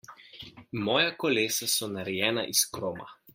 Moja kolesa so narejena iz kroma.